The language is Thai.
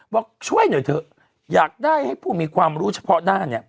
บอกช่วยหน่อยเถอะอยากได้ให้ผู้มีความรู้เฉพาะด้านเนี่ย